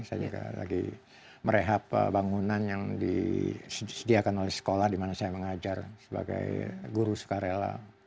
saya juga lagi merehab bangunan yang disediakan oleh sekolah di mana saya mengajar sebagai guru sukarela